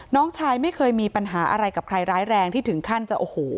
น้องชายไม่เคยมีปัญหาอะไรกับใครร้ายแรงที่ถึงขั้นจะโอ้โห